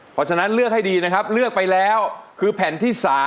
เพราะฉะนั้นเลือกให้ดีนะครับเลือกไปแล้วคือแผ่นที่๓